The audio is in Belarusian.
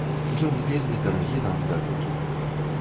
Ён вельмі дарагі нам дагэтуль.